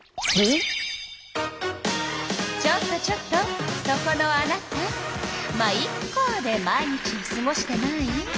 ちょっとちょっとそこのあなた「ま、イッカ」で毎日をすごしてない？